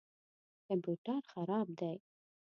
کمپیوټر خراب دی